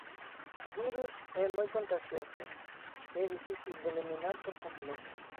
O virus é moi contaxioso e difícil de eliminar por completo.